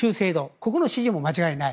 ここの支持も間違いない。